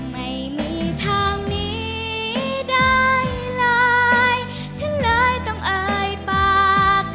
ไม่มีทางนี้ได้เลยฉันเลยต้องเอ่ยปาก